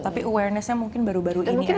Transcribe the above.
tapi awarenessnya mungkin baru baru ini ya